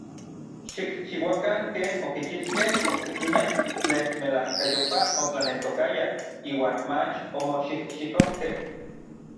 Xikchiuakan ken okichijkej oksekimej tlen melajkayopaj otlaneltokayaj iuan mach omoxijxikojkej.